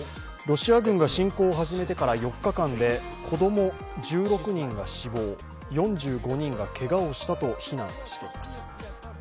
ロシア軍が侵攻を始めてから４日間で子供１６人が死亡、４５人がけがをしたと非難しています。